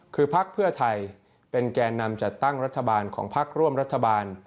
คือพักเพื่อไทยเป็นแก่นำจัดตั้งรัฐบาลของพักร่วมรัฐบาล